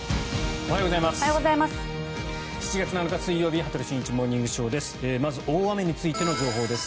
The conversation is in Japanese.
おはようございます。